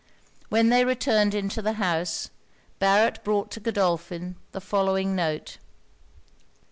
When they returned into the house, Barret brought to Godolphin the following note.